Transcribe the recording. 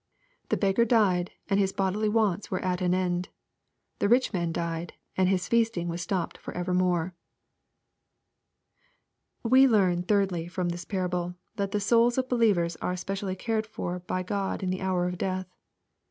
" The beggar died," and his bodily wants were at an end. " The rich man died," and his feasting was stopped for evermore. We learn, thirdly, from this parable, that the souls of believers are specially cared for by God in the hour of death.